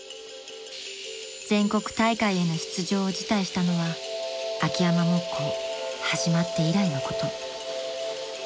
［全国大会への出場を辞退したのは秋山木工始まって以来のこと］